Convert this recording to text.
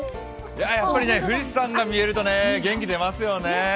やっぱり富士山が見えると元気出ますよね。